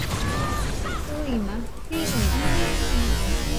ɨima jiñɨgɨ